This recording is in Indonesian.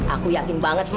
aku yakin banget ma